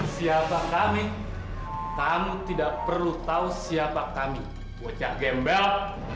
siapa kami kami tidak perlu tahu siapa kami bocah gembel